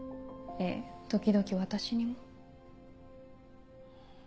ええ時々私にも。